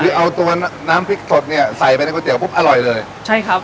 คือเอาตัวน้ำพริกสดเนี้ยใส่ไปในก๋วปุ๊บอร่อยเลยใช่ครับ